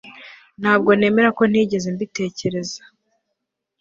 Ntabwo nemera ko ntigeze mbitekereza